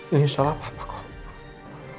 ini salah papa kok